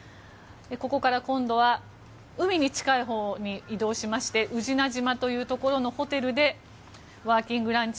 ここから今度は海に近いほうに移動しまして宇品島というところのホテルでワーキングランチ、